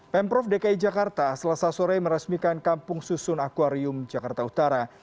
pemprov dki jakarta selasa sore meresmikan kampung susun akwarium jakarta utara